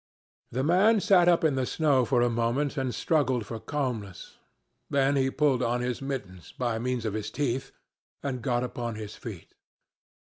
The man sat up in the snow for a moment and struggled for calmness. Then he pulled on his mittens, by means of his teeth, and got upon his feet.